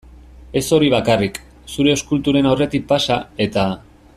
Ez hori bakarrik, zure eskulturen aurretik pasa, eta.